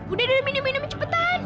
udah deh minum minum cepetan